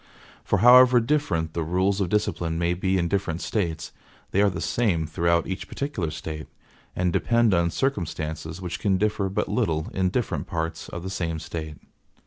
For however different the rules of discipline may be in different States, they are the same throughout each particular State; and depend on circumstances which can differ but little in different parts of the same State.)